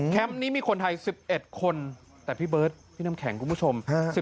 นี้มีคนไทย๑๑คนแต่พี่เบิร์ดพี่น้ำแข็งคุณผู้ชม